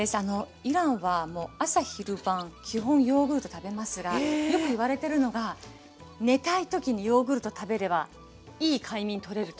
イランは朝昼晩基本ヨーグルト食べますがよくいわれてるのが寝たい時にヨーグルト食べればいい快眠とれると。